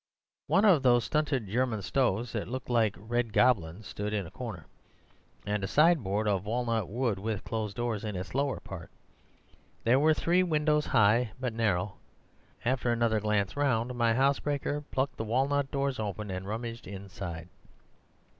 One of those stunted German stoves that look like red goblins stood in a corner, and a sideboard of walnut wood with closed doors in its lower part. There were three windows, high but narrow. After another glance round, my housebreaker plucked the walnut doors open and rummaged inside.